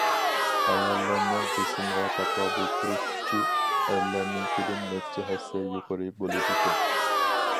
ئاياللارنىڭ بېسىمغا تاقابىل تۇرۇش كۈچى ئەرلەرنىڭكىدىن نەچچە ھەسسە يۇقىرى بولىدىكەن.